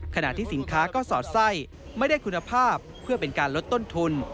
ขณะที่สินค้าก็สอดไส้ไม่ได้คุณภาพเพื่อเป็นการลดต้นทุน